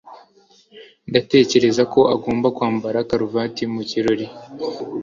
Ndatekereza ko agomba kwambara karuvati mu kirori.